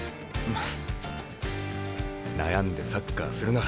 フッ悩んでサッカーするな。